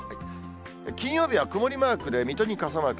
金曜日は曇りマークで、水戸に傘マーク。